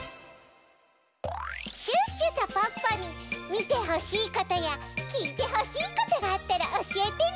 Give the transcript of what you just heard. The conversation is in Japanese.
シュッシュとポッポにみてほしいことやきいてほしいことがあったらおしえてね！